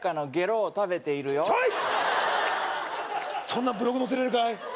そんなブログ載せれるかい？